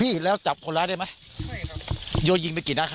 ที่แล้วจับพบระได้ไหมใช่ครับยกยิงไปกี่นักฮะ